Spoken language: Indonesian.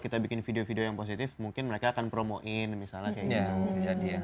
kita bikin video video yang positif mungkin mereka akan promoin misalnya kayak gitu